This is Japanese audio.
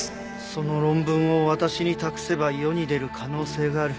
その論文を私に託せば世に出る可能性がある。